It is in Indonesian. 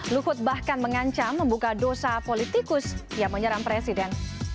luhut bahkan mengancam membuka dosa politikus yang menyerang presiden